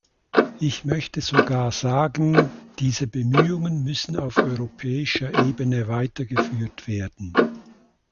Ich möchte sogar sagen, diese Bemühungen müssen auf europäischer Ebene weitergeführt werden.